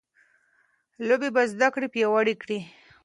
لوبې به زده کړه پیاوړې کړي.